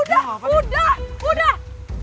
udah udah udah